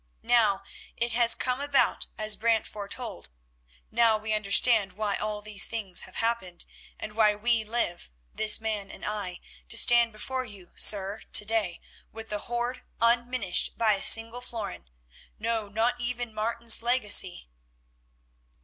Now it has come about as Brant foretold; now we understand why all these things have happened, and why we live, this man and I, to stand before you, sir, to day, with the hoard unminished by a single florin, no, not even by Martin's legacy."